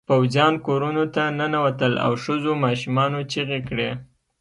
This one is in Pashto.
پوځيان کورونو ته ننوتل او ښځو ماشومانو چیغې کړې.